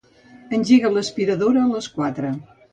Engega l'aspiradora a les quatre.